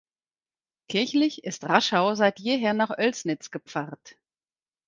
Kirchlich ist Raschau seit jeher nach Oelsnitz gepfarrt.